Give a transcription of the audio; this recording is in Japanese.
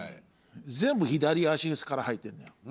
全部左足に力入ってんのよ